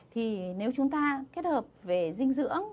thì nếu chúng ta kết hợp về dinh dưỡng